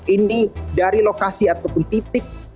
ini dari lokasi ataupun titik